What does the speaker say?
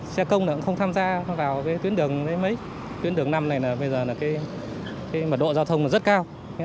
xe công này cũng không tham gia vào cái tuyến đường mấy tuyến đường năm này là bây giờ là cái mật độ giao thông rất cao